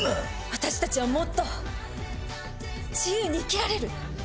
私たちはもっと自由に生きられる。